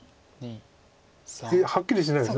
はっきりしないです。